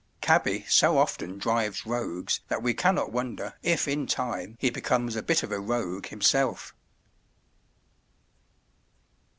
Cabby so often drives rogues that we cannot wonder if in time he becomes a bit of a rogue himself.